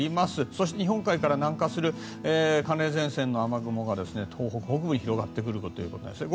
そして日本海から南下する寒冷前線の雨雲が東北北部に広がってくるということですね。